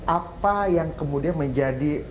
apa yang kemudian menjadi